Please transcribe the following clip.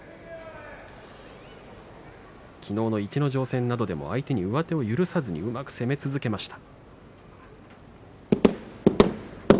昨日の逸ノ城戦なども相手に上手を許さずにうまく攻め続けました。